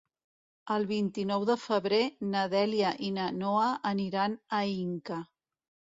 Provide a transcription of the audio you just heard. El vint-i-nou de febrer na Dèlia i na Noa aniran a Inca.